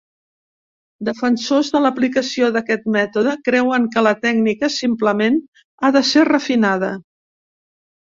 Defensors de l'aplicació d'aquest mètode creuen que la tècnica simplement ha de ser refinada.